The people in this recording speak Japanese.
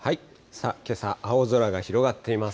けさ、青空が広がっています。